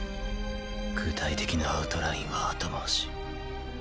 具体的なアウトラインは後回し。